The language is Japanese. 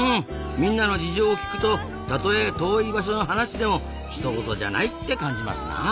みんなの事情を聞くとたとえ遠い場所の話でもひと事じゃないって感じますなあ。